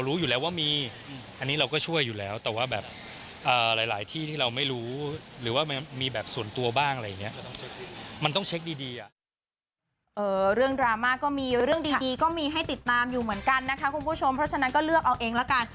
เรื่องดราม่าก็มีเรื่องดีก็มีให้ติดตามอยู่เหมือนกันนะคะคุณผู้ชมเพราะฉะนั้นก็เลือกเอาเองละกัน